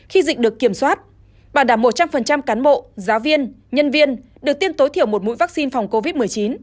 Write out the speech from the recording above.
khi dịch được kiểm soát bảo đảm một trăm linh cán bộ giáo viên nhân viên được tiêm tối thiểu một mũi vaccine phòng covid một mươi chín